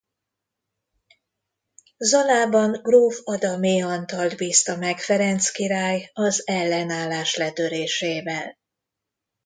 Zalában gróf Adamé Antalt bízta meg Ferenc király az ellenállás letörésével.